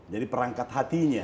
jadi perangkat hatinya